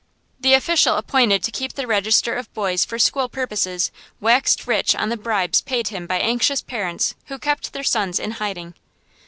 The official appointed to keep the register of boys for school purposes waxed rich on the bribes paid him by anxious parents who kept their sons in hiding.